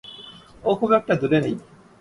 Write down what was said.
ও খুব একটা দূরে নেই।